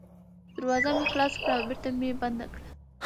دروازه مې خلاصه کړه او بېرته مې بنده کړه.